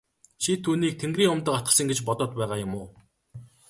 Чи түүнийг тэнгэрийн умдаг атгасан гэж бодоод байгаа юм уу?